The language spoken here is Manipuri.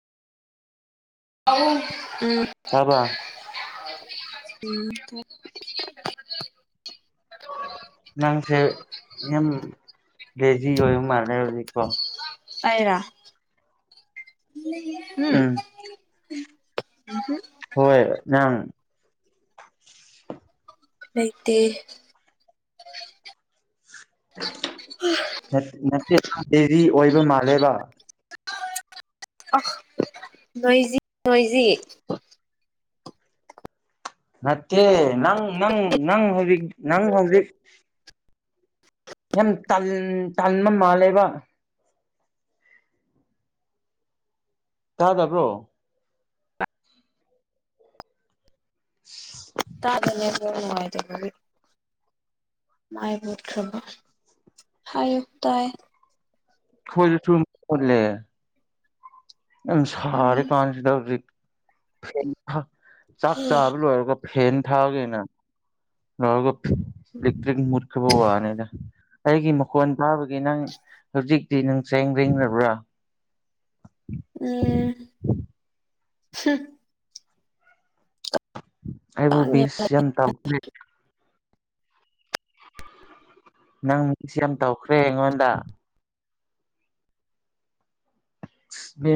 ꯇꯥꯕ [inaudible] ꯅꯪꯁꯦ ꯌꯥꯝ ꯂꯦꯖꯤ ꯑꯣꯏꯕ ꯃꯥꯜꯂꯦ ꯍꯧꯖꯤꯛꯀꯣ꯫ ꯑꯩꯔꫭ ꯎꯝ꯫ [unintelligible] ꯍꯣꯏ ꯅꯪ꯫ ꯂꯩꯩꯇꯦ꯫ ꯅꯠ ꯅꯠꯇꯦ ꯅꯪ ꯕꯤꯖꯤ ꯑꯣꯏꯕ ꯃꯥꯜꯂꯦꯕ꯫ ꯑ ꯅꯣꯏꯖꯤ ꯅꯣꯏꯖꯤ꯫ ꯅꯠꯇꯦ ꯅꯪ ꯅꯪ ꯅꯪ ꯍꯧꯖꯤꯛ ꯅꯪ ꯍꯧꯖꯤꯛ ꯌꯥꯝ ꯇꯟ ꯇꯟꯕ ꯃꯥꯜꯂꯦꯕ꯫ ꯇꯥꯗꯕ꯭ꯔꯣ꯫ ꯇꯥꯗꯦ ꯅꯨꯡꯉꯥꯏꯇꯕꯒꯤ꯫ ꯃꯥꯏ ꯃꯨꯠꯈ꯭ꯔꯕ ꯍꯥꯏꯌꯨ ꯇꯥꯌꯦ꯫ ꯈꯣꯏꯁꯨ ꯊꯨꯝ ꯃꯨꯠꯂꯦ꯫ ꯌꯥꯝ ꯎꯝ ꯁꯥꯔꯤꯀꯥꯟꯁꯤꯗ ꯍꯧꯖꯤꯛ ꯐꯦꯟ ꯆꯥꯛ ꯆꯥꯕ ꯂꯣꯏꯔꯒ ꯐꯦꯟ ꯊꯥꯒꯦꯅ ꯇꯧꯔꯒ ꯏꯂꯤꯛꯇꯔꯤꯛ ꯃꯨꯠꯈ꯭ꯔꯕ ꯋꯥꯅꯤꯗ꯫ ꯑꯩꯒꯤ ꯃꯈꯣꯟ ꯇꯥꯕꯒꯤ ꯅꯪ ꯍꯧꯖꯤꯛꯇꯤ ꯅꯪ ꯆꯦꯡ ꯂꯦꯡꯗꯕ꯭ꯔꯥ꯫ [unintelligible] ꯑꯩꯕꯨ ꯀꯥꯡ ꯕꯤꯁ ꯌꯥꯝ ꯇꯥꯎꯈ꯭ꯔꯦ꯫ ꯅꯪ ꯃꯤꯁ ꯌꯥꯝ ꯇꯧꯈ꯭ꯔꯦ ꯑꯩꯉꯣꯟꯗꯥ꯫ [unintelligible]